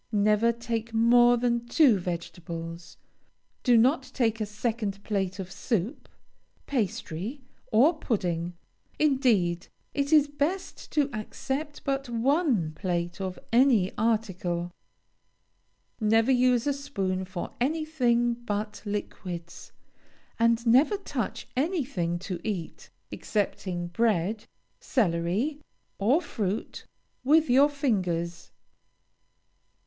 Never take more than two vegetables; do not take a second plate of soup, pastry, or pudding. Indeed, it is best to accept but one plate of any article. Never use a spoon for anything but liquids, and never touch anything to eat, excepting bread, celery, or fruit, with your fingers.